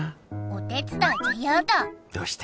お手伝いじゃヤダどうして？